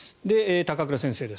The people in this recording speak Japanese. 高倉先生です。